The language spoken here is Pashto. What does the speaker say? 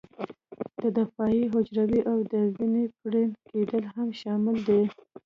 د دفاعي حجرو او د وینې پړن کېدل هم شامل دي.